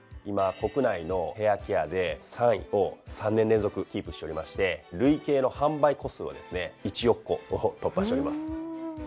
今国内のヘアケアで３位を３年連続キープしておりまして累計の販売個数はですね１億個を突破しております。